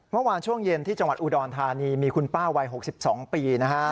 เมื่อวานช่วงเย็นที่จังหวัดอุดรธานีมีคุณป้าวัย๖๒ปีนะฮะ